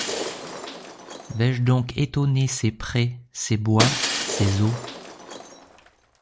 Vais-je donc étonner ces prés, ces bois, ces eaux